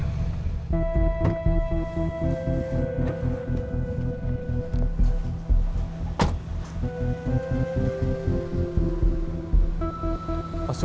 pak suganda perlu perhatikan